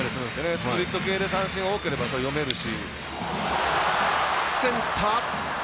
スプリット系が多ければ読めるし。